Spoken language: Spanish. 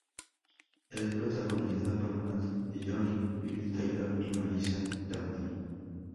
Es protagonizada por Matt Dillon, Lili Taylor y Marisa Tomei.